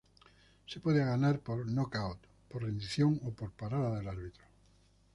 Se puede ganar por knockout, por rendición o por parada del árbitro.